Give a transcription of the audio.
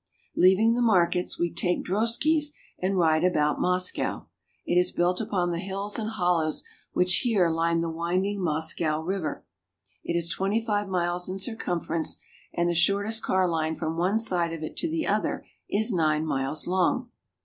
Leaving the markets, we take droskies and ride about Moscow. It is built upon the hills and hollows which here line the winding Moscow River. It is twenty five miles in circumference, and the shortest car line from one side of it to the other is nine miles long.